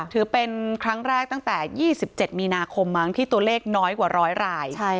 ถือเป็นครั้งแรกตั้งแต่๒๗มีนาคมมั้งที่ตัวเลขน้อยกว่า๑๐๐ราย